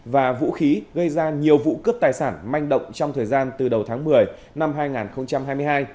và vũ khí gây ra nhiều vụ cướp tài sản manh động trong thời gian từ đầu tháng một mươi năm hai nghìn hai mươi hai